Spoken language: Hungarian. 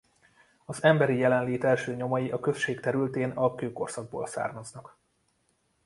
Az emberi jelenlét első nyomai a község terültén a kőkorszakból származnak.